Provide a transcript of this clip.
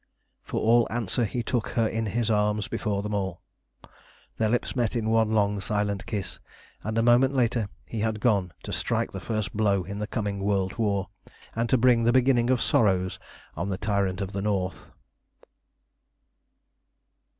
For all answer he took her in his arms before them all. Their lips met in one long silent kiss, and a moment later he had gone to strike the first blow in the coming world war, and to bring the beginning of sorrows on the Tyrant of the North.